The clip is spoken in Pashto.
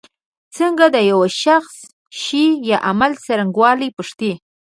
څنګه د یو شخص شي یا عمل څرنګوالی پوښتی.